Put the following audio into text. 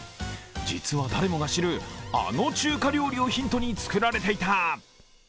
実は誰もが知る、あの中華料理をヒントに作られていた。